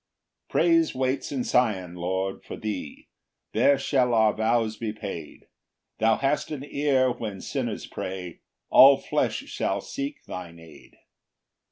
1 Praise waits in Sion, Lord, for thee; There shall our vows be paid: Thou hast an ear when sinners pray, All flesh shall seek thine aid.